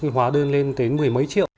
hóa đơn lên tới mười mấy triệu